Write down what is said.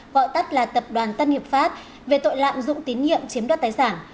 gọi tắt là tập đoàn tân hiệp pháp về tội lạm dụng tín nhiệm chiếm đoạt tài sản